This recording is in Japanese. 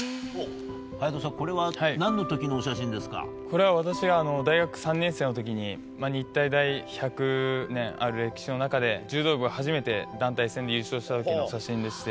颯人さん、これは私が大学３年生のときに、日体大１００年ある歴史の中で、柔道部が初めて団体戦で優勝したときの写真でした。